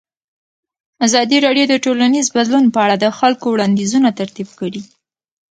ازادي راډیو د ټولنیز بدلون په اړه د خلکو وړاندیزونه ترتیب کړي.